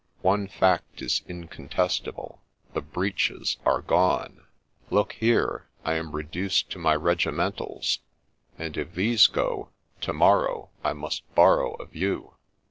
One fact is incontestable, — the breeches are gone ! Look here — I am reduced to my regimentals ; and if these go, to morrow I must borrow of you